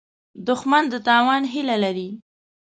دښمن د تاوان هیله لري